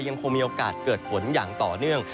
ยังคงมีโอกาสเกิดฝนอย่างต่อเนื่อง